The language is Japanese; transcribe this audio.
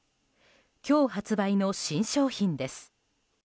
今日発売の新商品です。